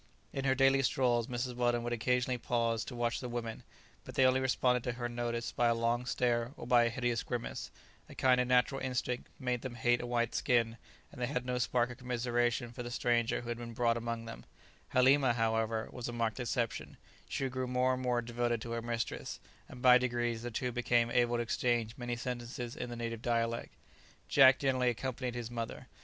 In her daily strolls, Mrs. Weldon would occasionally pause to watch the women, but they only responded to her notice by a long stare or by a hideous grimace; a kind of natural instinct made them hate a white skin, and they had no spark of commiseration for the stranger who had been brought among them; Halima, however, was a marked exception, she grew more and more devoted to her mistress, and by degrees, the two became able to exchange many sentences in the native dialect. Jack generally accompanied his mother.